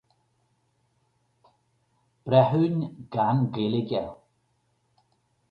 Breithiúin gan Gaeilge.